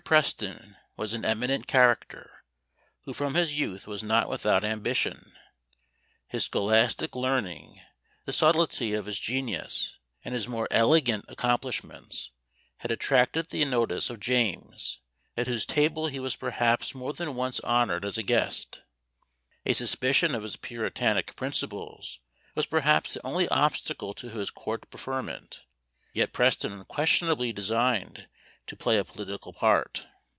Preston was an eminent character, who from his youth was not without ambition. His scholastic learning, the subtilty of his genius, and his more elegant accomplishments, had attracted the notice of James, at whose table he was perhaps more than once honoured as a guest; a suspicion of his puritanic principles was perhaps the only obstacle to his court preferment; yet Preston unquestionably designed to play a political part.